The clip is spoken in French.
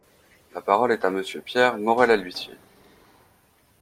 La parole est à Monsieur Pierre Morel-A-L’Huissier.